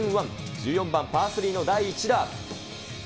１４番パー３の第１打。